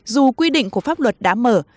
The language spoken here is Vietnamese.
dù quy định của pháp luật đã mở